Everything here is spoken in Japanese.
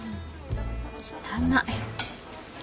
汚い。